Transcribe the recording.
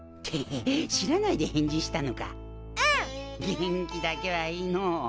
元気だけはいいのう。